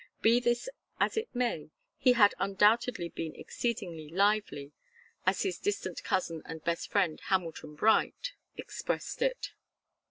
Be this as it may, he had undoubtedly been exceedingly 'lively,' as his distant cousin and best friend, Hamilton Bright, expressed it.